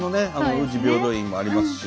宇治平等院もありますし。